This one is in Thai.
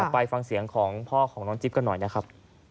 ไปฟังเสียงของพ่อของน้องจิ๊บกันหน่อยนะครับ